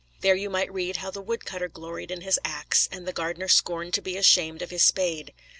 There you might read how the wood cutter gloried in his axe, and the gardener scorned to be ashamed of his spade.